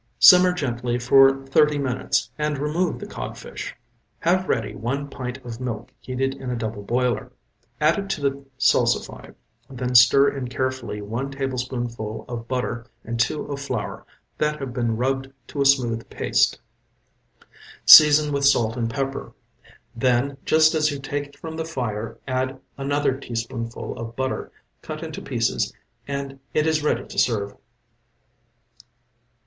Simmer gently for thirty minutes and remove the codfish. Have ready one pint of milk heated in a double boiler. Add it to the salsify, then stir in carefully one tablespoonful of butter and two of flour that have been rubbed to a smooth paste. Season with salt and pepper. Then, just as you take it from the fire, add another teaspoonful of butter, cut into pieces, and it is ready to serve.